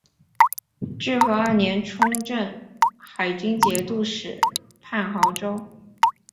至和二年充镇海军节度使判亳州。